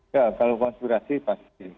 ya kalau konspirasi pasti